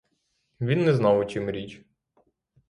Він не знав, у чім річ.